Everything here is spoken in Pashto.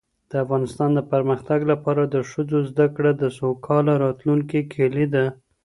د افغانستان د پرمختګ لپاره د ښځو زدهکړه د سوکاله راتلونکي کیلي ده.